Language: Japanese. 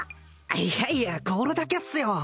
いやいやこれだけっすよ